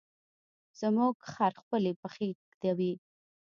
زموږ خر خپلې پښې ږدوي.